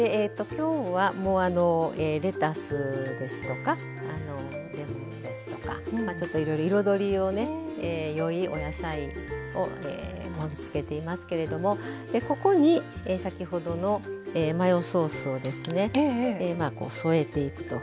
きょうはレタスですとかレモンですとかちょっと、いろいろ彩りを、いいお野菜を盛りつけていますけれどもここに、先ほどのマヨソースを添えていくと。